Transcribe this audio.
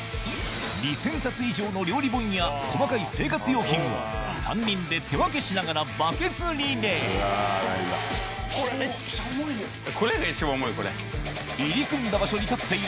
２０００冊以上の料理本や細かい生活用品を３人で手分けしながらバケツリレーこれが一番重いこれ。